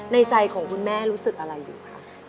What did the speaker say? ในใจของคุณแม่รู้สึกอะไรอยู่คะ